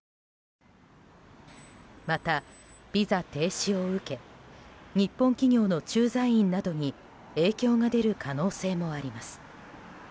また、ビザ停止を受け日本企業の駐在員などに影響が出る可能性もあります。